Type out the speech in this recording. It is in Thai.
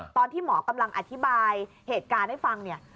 ตอนที่หมอกำลังอธิบายเหตุการณ์ให้ฟังเนี่ย